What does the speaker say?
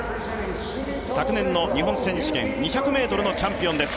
昨年の日本選手権２００ｍのチャンピオンです。